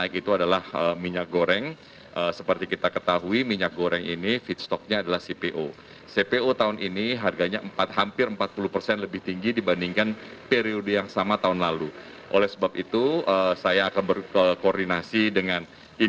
kedua pasar tersebut muhammad turfi memastikan